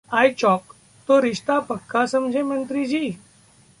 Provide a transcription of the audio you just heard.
iChowk: तो रिश्ता पक्का समझें, मंत्री जी?